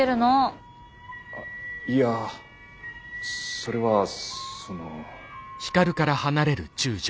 あいやそれはその。